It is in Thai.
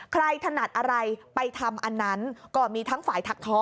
ถนัดอะไรไปทำอันนั้นก็มีทั้งฝ่ายถักท้อ